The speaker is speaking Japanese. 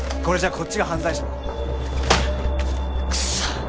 これじゃあこっちが犯罪者だ。